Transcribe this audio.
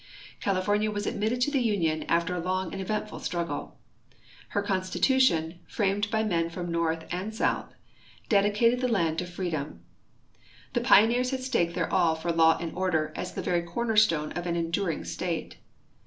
California was admitted to the Union after a long and eventful struggle. Her constitution, framed by men from the North and the South, dedi cated the land to freedom. The pioneers had staked their all for law and order as the very corner stone of an enduring state.